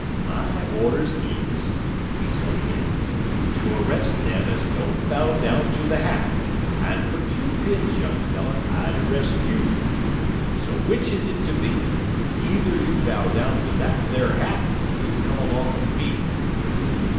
"My orders is," he said again, "to arrest them as don't bow down to the hat, and for two pins, young feller, I'll arrest you. So which is it to be? Either you bow down to that there hat or you come along of me."